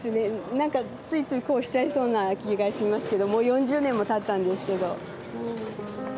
何かついついこうしちゃいそうな気がしますけどもう４０年もたったんですけど。